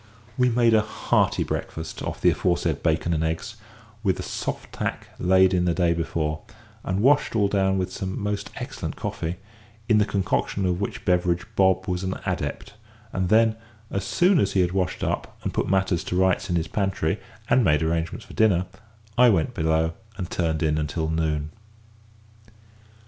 We made a hearty breakfast off the aforesaid bacon and eggs, with soft tack laid in the day before, and washed all down with some most excellent coffee, in the concoction of which beverage Bob was an adept, and then, as soon as he had washed up, and put matters to rights in his pantry, and made arrangements for dinner, I went below and turned in until noon.